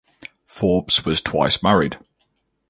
Forbes was twice married.